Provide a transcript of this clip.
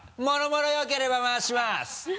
もろもろよければ回します！